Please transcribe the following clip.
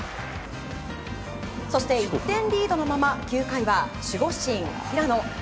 そして１点リードのまま９回は守護神・平野。